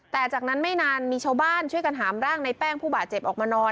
แต่จากนั้นไม่นานมีชาวบ้านช่วยกันหามร่างในแป้งผู้บาดเจ็บออกมานอน